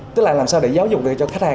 tức là làm sao để giáo dục được cho khách hàng